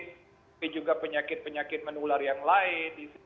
tapi juga penyakit penyakit menular yang lain